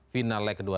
final like kedua